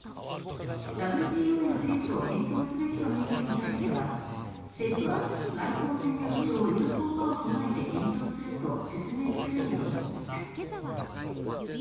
ＷＴＯへの提訴を検討すべきとの意見に対しては政府は外交戦略上有効かを踏まえて検討すると説明するにとどめました。